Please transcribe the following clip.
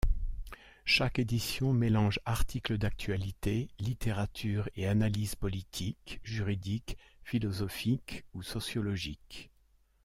Chaque édition mélange articles d'actualité, littérature et analyses politiques, juridiques, philosophiques ou sociologiques.